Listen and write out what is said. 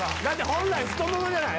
本来太ももじゃない？